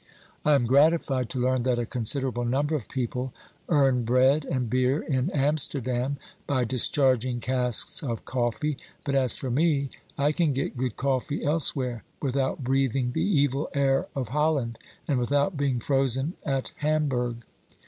I am gratified to learn that a considerable number of people earn bread and beer in Amsterdam by discharging casks of coffee, but as for me, I can get good coffee elsewhere without breathing the evil air of Holland and without being frozen at Hamburg.